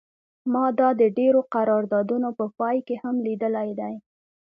ما دا د ډیرو قراردادونو په پای کې هم لیدلی دی